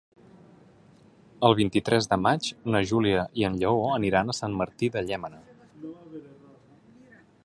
El vint-i-tres de maig na Júlia i en Lleó aniran a Sant Martí de Llémena.